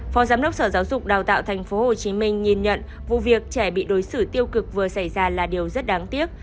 phó giám đốc sở giáo dục đào tạo tp hcm nhìn nhận vụ việc trẻ bị đối xử tiêu cực vừa xảy ra là điều rất đáng tiếc